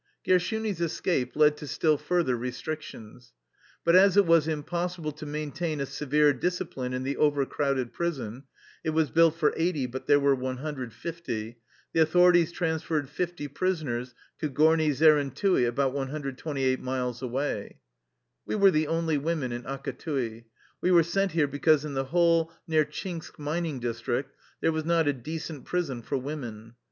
Gershuni's escape led to still further restric tions. But as it was impossible to maintain a severe discipline in the overcrowded prison — it was built for 80, but there were 150 — the au thorities transferred 50 prisoners to Gorni Zerentui, about 128 miles away. We were the only women in Akatui. We were sent here because in the whole Nertchinsk mining district there was not a decent prison for women.